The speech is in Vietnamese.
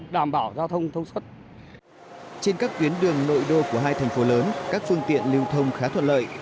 trên các tuyến đường nội đô của hai thành phố lớn các phương tiện lưu thông khá thuận lợi